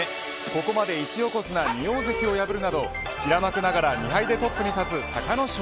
ここまで１横綱２大関を破るなど平幕ながら２敗でトップに立つ隆の勝。